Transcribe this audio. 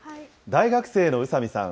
大学生の宇佐見さん。